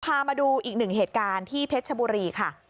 พามาดูอีกหนึ่งเหตุการณ์ที่เพชรชบุรีค่ะ